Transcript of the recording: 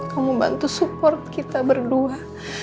kamu bantu support kita berdua